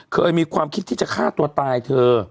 เคยมีความคิดที่จะฆ่าตัวตายเธอ